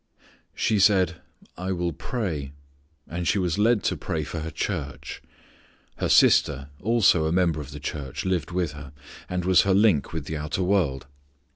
She said, "I will pray." And she was led to pray for her church. Her sister, also a member of the church, lived with her, and was her link with the outer world.